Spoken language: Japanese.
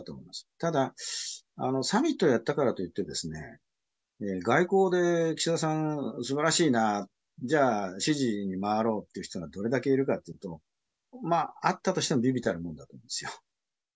ただ、サミットをやったからといって、外交で岸田さん、すばらしいな、じゃあ、支持に回ろうっていう人がどれだけいるかといっても、あったとしても微々たるものだと思いますよ。